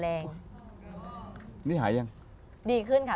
อันนี้หายังดีขึ้นค่ะ